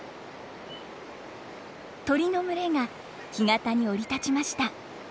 鳥の群れが干潟に降り立ちました。